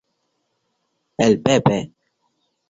Mientras que sus partes inferiores son blancas o blanquecinas.